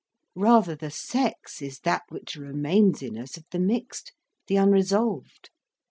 Rather the sex is that which remains in us of the mixed, the unresolved.